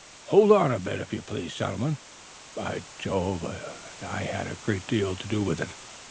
"Hold on a bit, if you please, gentlemen; by Jove, it had a great deal to do with it.